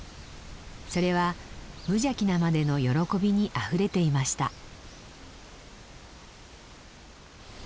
それは無邪気なまでの喜びにあふれていました。